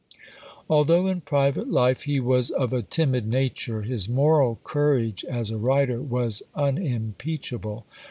Although in private life he was of a timid nature, his moral courage as a writer was unimpeachable.